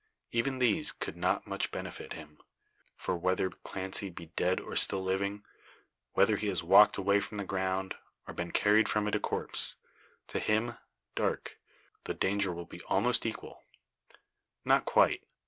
Even these could not much benefit him; for, whether Clancy be dead or still living whether he has walked away from the ground, or been carried from it a corpse to him, Darke, the danger will be almost equal. Not quite.